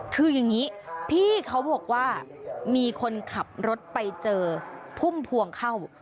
คืออย่างนี้พี่เขาบอกว่ามีคนขับรถไปเจอพุ่มพวงเข้า